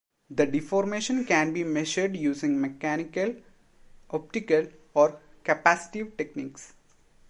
The deformation can be measured using mechanical, optical or capacitive techniques.